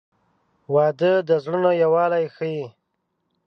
• واده د زړونو یووالی ښیي.